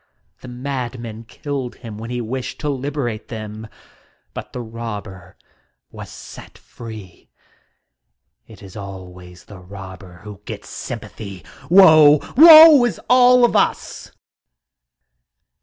The madmen killed him when he wished to liberate them, but the robber was set free. It is always the robber who gets sympathy! Woe! Woe is all of us!